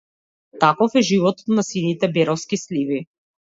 Таков е животот на сините беровски сливи.